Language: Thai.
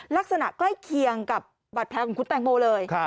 ลักษณะใกล้เคียงกับบาดแผลของคุณแตงโมเลย